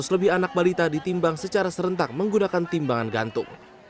seratus lebih anak balita ditimbang secara serentak menggunakan timbangan gantung